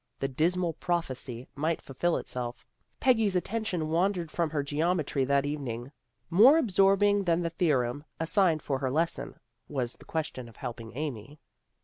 The dismal prophecy might fulfil itself. Peggy's attention wandered from her geometry that evening. More absorbing than the theorem assigned for her lesson was the question of helping Amy.